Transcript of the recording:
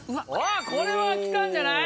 これはきたんじゃない？